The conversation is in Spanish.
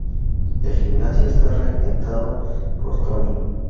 El gimnasio está regentado por Tony.